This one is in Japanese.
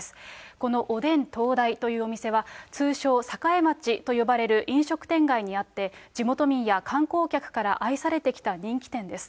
このおでん東大というお店は、通称、栄町と呼ばれる飲食店街にあって、地元民や観光客から愛されてきた人気店です。